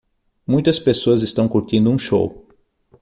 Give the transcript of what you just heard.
Muitas pessoas estão curtindo um show.